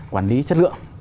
quản lý chất lượng